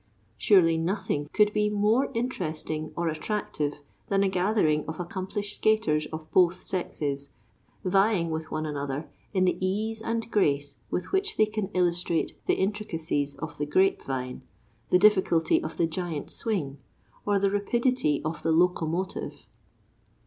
Surely nothing could be more interesting or attractive than a gathering of accomplished skaters of both sexes vying with one another in the ease and grace with which they can illustrate the intricacies of the "grape vine," the difficulty of the "giant swing," or the rapidity of the "locomotive."